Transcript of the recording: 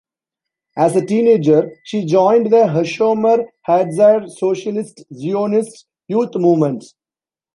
As a teenager she joined the HaShomer HaTzair Socialist-Zionist youth movement.